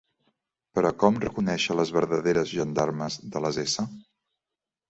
Però com reconèixer les verdaderes gendarmes de les s?